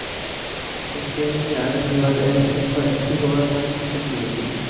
In the same year, he was arrested for anti-government activities.